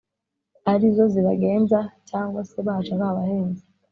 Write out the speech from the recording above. arizo zibagenza, cyangwa se baje ari abahinzi